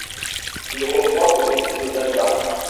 Il reprend ses études au Danemark.